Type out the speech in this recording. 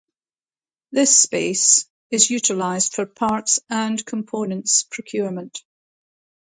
This space is utilized for parts and components procurement.